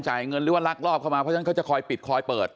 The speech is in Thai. เงินหรือว่าลักลอบเข้ามาเพราะฉะนั้นเขาจะคอยปิดคอยเปิด